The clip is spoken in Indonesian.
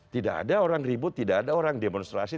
tidak ada orang ribut tidak ada orang demonstrasi